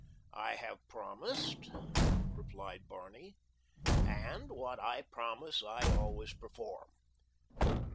"I have promised," replied Barney, "and what I promise I always perform."